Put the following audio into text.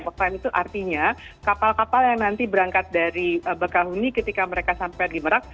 offline itu artinya kapal kapal yang nanti berangkat dari bekahuni ketika mereka sampai di merak